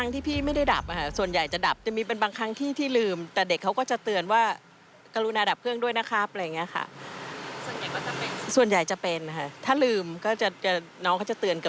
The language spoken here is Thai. แต่ประชาชนบางส่วนก็ยอมรับคำว่า